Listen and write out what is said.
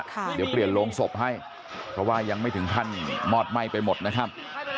เดี๋ยวเปลี่ยนโรงศพให้เพราะว่ายังไม่ถึงขั้นมอดไหม้ไปหมดนะครับ